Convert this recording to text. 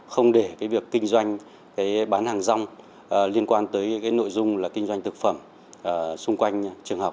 không để việc kinh doanh bán hàng rong liên quan tới nội dung là kinh doanh thực phẩm xung quanh trường học